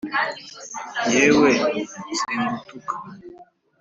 yewe singutuka